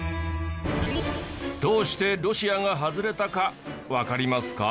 どうしてロシアが外れたかわかりますか？